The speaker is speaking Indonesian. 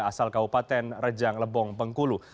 asal kabupaten rejang lebong bengkulu